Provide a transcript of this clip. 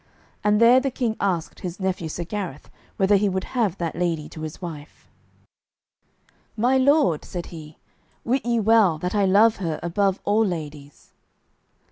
And there the King asked his nephew Sir Gareth whether he would have that lady to his wife. "My lord," said he, "wit ye well that I love her above all ladies."